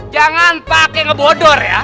jangan pakai ngebodor ya